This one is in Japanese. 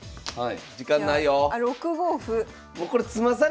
はい。